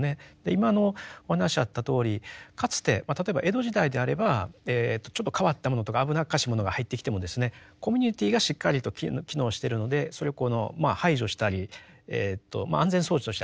今のお話あったとおりかつて例えば江戸時代であればちょっと変わったものとか危なっかしいものが入ってきてもコミュニティーがしっかりと機能してるのでそれを排除したり安全装置として働いていたと。